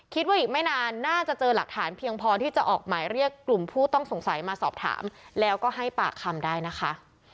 คิดว่าอีกไม่นานน่าจะเจอหลักฐานเพียงพอที่จะออกหมายเรียกกลุ่มผู้ต้องสงสัยมาสอบถามแล้วก็ให้ปากคำได้นะคะ